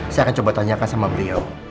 saya akan coba tanyakan sama beliau